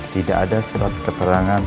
tidak ada surat keterangan